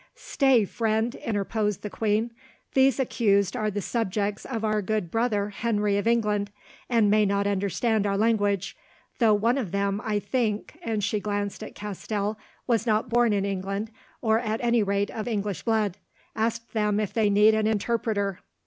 "Stay, friend," interposed the queen, "these accused are the subjects of our good brother, Henry of England, and may not understand our language, though one of them, I think"—and she glanced at Castell—"was not born in England, or at any rate of English blood. Ask them if they need an interpreter."